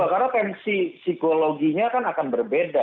betul karena pensi psikologinya kan akan berbeda